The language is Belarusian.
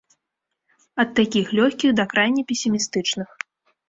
Ад такіх лёгкіх, да крайне песімістычных.